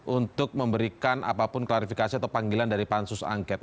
untuk memberikan apapun klarifikasi atau panggilan dari pansus angket